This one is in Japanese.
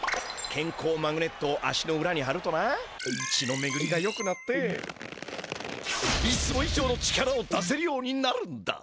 けんこうマグネットを足のうらにはるとな血のめぐりがよくなっていつもいじょうの力を出せるようになるんだ。